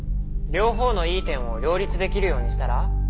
「両方のいい点を両立できるようにしたら？」。